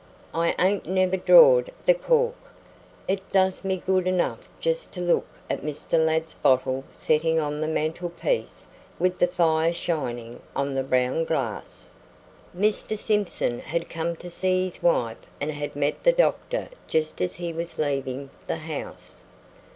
I ain't never drawed the cork; it does me good enough jest to look at Mr. Ladd's bottle settin' on the mantel piece with the fire shinin' on the brown glass." Mr. Simpson had come to see his wife and had met the doctor just as he was leaving the house.